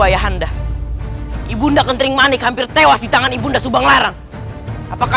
ayahanda ibunda kentering manik hampir tewas di tangan ibunda subanglarang apakah